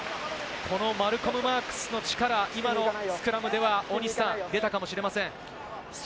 このマルコム・マークスの力、今のスクラムでは大西さん、出たかもしれません。